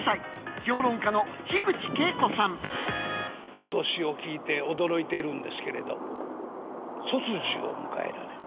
お年を聞いて驚いているんですけれど卒寿を迎えられて。